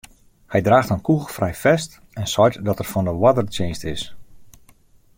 Hy draacht in kûgelfrij fest en seit dat er fan de oardertsjinst is.